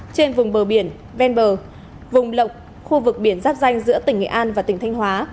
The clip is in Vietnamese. trên vùng bờ biển ven bờ vùng lộng khu vực biển giáp danh giữa tỉnh nghệ an và tỉnh thanh hóa